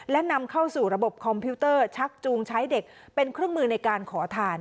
และนำเข้าสู่ระบบคอมพิวเตอร์ชักจูงใช้เด็กเป็นเครื่องมือในการขอทาน